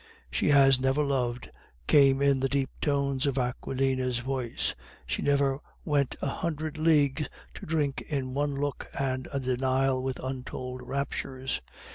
"She has never loved," came in the deep tones of Aquilina's voice. "She never went a hundred leagues to drink in one look and a denial with untold raptures.